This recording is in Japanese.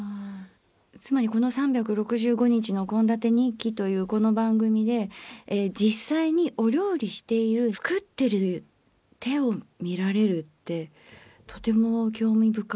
つまりこの「３６５日の献立日記」というこの番組で実際にお料理している作ってる手を見られるってとても興味深くて。